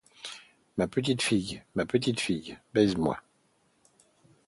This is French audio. Ma petite fille ! ma petite fille ! baise-moi.